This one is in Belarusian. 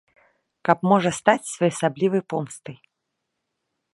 Каб можа стаць своеасаблівай помстай.